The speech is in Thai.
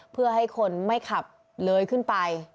เพื่อให้คนไม่ขับเลยขึ้นไป